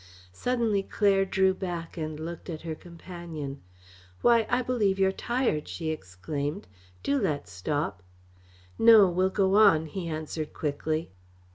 Suddenly Claire drew back and looked at her companion. "Why, I believe you're tired!" she exclaimed. "Do let's stop." "No, we'll go on," he answered quickly.